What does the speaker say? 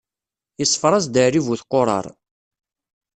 Iṣeffer-as-d Ɛli bu tquṛaṛ.